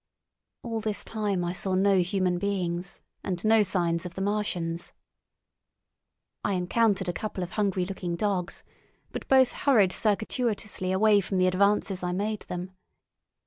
All this time I saw no human beings, and no signs of the Martians. I encountered a couple of hungry looking dogs, but both hurried circuitously away from the advances I made them.